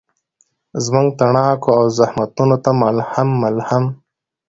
زموږ تڼاکو او زخمونوته ملهم، ملهم